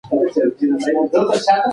نمځنه د درناوي او احترام په مانا راغلې ده.